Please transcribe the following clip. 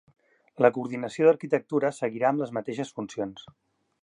La coordinació d'Arquitectura seguirà amb les mateixes funcions